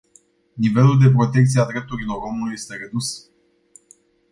Nivelul de protecție a drepturilor omului este redus.